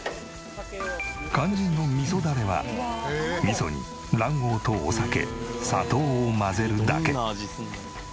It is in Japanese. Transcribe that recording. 肝心の味噌ダレは味噌に卵黄とお酒砂糖を混ぜるだけ。